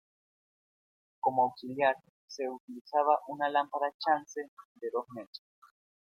Como auxiliar se utilizaba una Lámpara Chance de dos mechas.